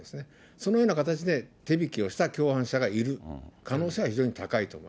そのような形で手引きをした共犯者がいる可能性は非常に高いと思